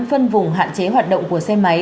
phân vùng hạn chế hoạt động của xe máy